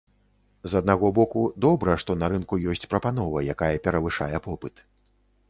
З аднаго боку, добра, што на рынку ёсць прапанова, якая перавышае попыт.